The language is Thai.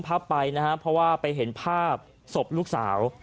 เพราะเป็นภาพที่ที่เขาไปเห็นภาพส่วนลูกสาว